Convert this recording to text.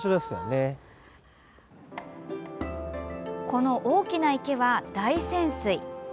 この大きな池は、大泉水。